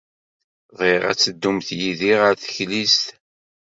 Bɣiɣ ad teddumt yid-i ɣer teklizt.